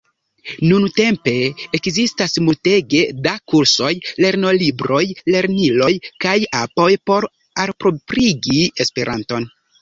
Nuntempe ekzistas multege da kursoj, lernolibroj, lerniloj kaj apoj por alproprigi Esperanton.